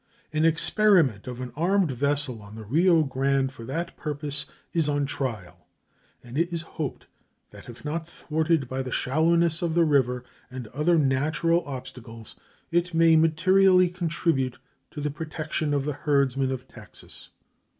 An experiment of an armed vessel on the Rio Grande for that purpose is on trial, and it is hoped that, if not thwarted by the shallowness of the river and other natural obstacles, it may materially contribute to the protection of the herdsmen of Texas.